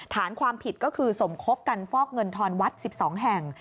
ฐานความผิดก็คือสมคบกันฟอกเงินทอนวัด๑๒แห่ง